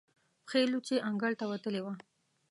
پښې لوڅې انګړ ته وتلې وه.